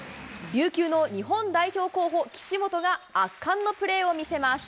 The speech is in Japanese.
琉球の日本代表候補、岸本が圧巻のプレーを見せます。